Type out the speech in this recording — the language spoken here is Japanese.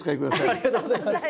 ありがとうございます。